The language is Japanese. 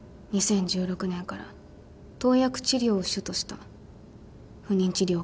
２０１６年から投薬治療を主とした不妊治療を開始しました。